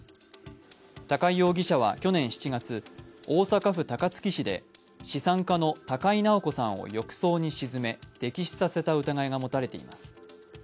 高井容疑者は去年７月、大阪府高槻市で資産家の高井直子さんを浴槽に沈め溺死させた疑いが持たれています。